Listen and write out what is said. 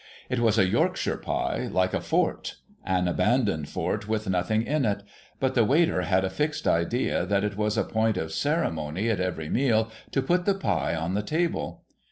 It was a Yorkshire pie, like a fort, — an abandoned fort with nothing in it ; but the waiter had a fixed idea that it was a point of ceremony at every meal to put the pie on the table.